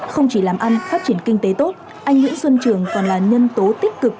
không chỉ làm ăn phát triển kinh tế tốt anh nguyễn xuân trường còn là nhân tố tích cực